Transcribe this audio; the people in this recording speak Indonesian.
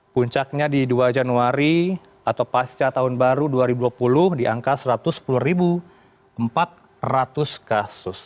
puncaknya di dua januari atau pasca tahun baru dua ribu dua puluh di angka satu ratus sepuluh empat ratus kasus